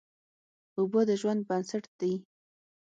اوبه د ژوند بنسټ دي.